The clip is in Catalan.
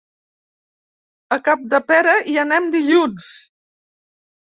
A Capdepera hi anem dilluns.